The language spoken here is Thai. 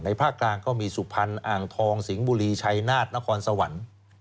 ภาคกลางก็มีสุพรรณอ่างทองสิงห์บุรีชัยนาฏนครสวรรค์